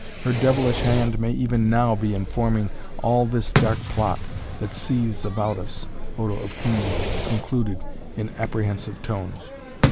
Her devilish hand may even now be informing all this dark plot, that seethes about us," Odo of Cluny concluded in apprehensive tones.